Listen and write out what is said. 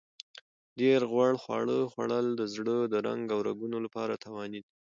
ډېر غوړ خواړه خوړل د زړه د رنګ او رګونو لپاره تاواني دي.